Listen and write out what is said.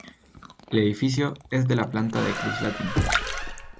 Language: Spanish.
El edificio es de planta de cruz latina.